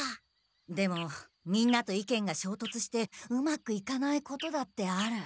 でもみんなと意見がしょうとつしてうまくいかないことだってある。